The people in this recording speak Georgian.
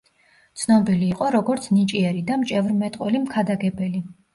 ცნობილი იყო როგორც ნიჭიერი და მჭევრმეტყველი მქადაგებელი.